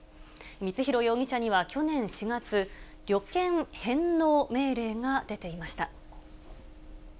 光弘容疑者には去年４月、旅券返納命令が出ていました。